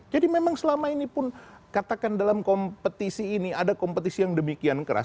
jadi memang selama ini pun katakan dalam kompetisi ini ada kompetisi yang demikian keras